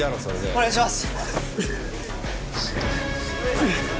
お願いします！